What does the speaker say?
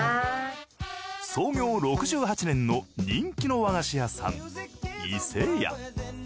創業６８年の人気の和菓子屋さん伊勢屋。